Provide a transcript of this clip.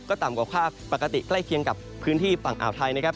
ต่ำกว่าภาคปกติใกล้เคียงกับพื้นที่ฝั่งอ่าวไทยนะครับ